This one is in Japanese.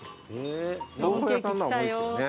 豆腐屋さんのは重いですけどね。